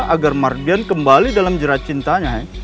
agar mardian kembali dalam jerat cintanya